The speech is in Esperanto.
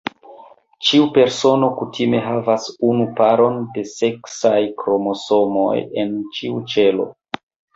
Ĉiu persono kutime havas unu paron de seksaj kromosomoj en ĉiu ĉelo.